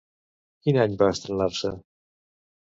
Quin any va estrenar-se?